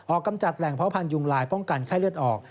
กำจัดแหล่งเพาะพันธุงลายป้องกันไข้เลือดออก